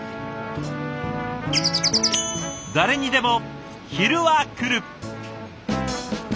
誰にでも昼はくる。